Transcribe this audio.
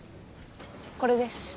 これです。